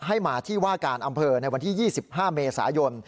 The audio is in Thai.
ให้มาที่ว่าการอำเภอในวันที่๒๕เมษายน